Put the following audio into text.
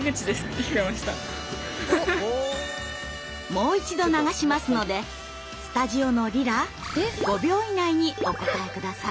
もう一度流しますのでスタジオのリラ５秒以内にお答え下さい。